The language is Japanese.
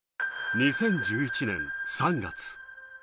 ２０１１年３月。